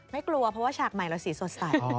กลัวเพราะว่าฉากใหม่เราสีสดใส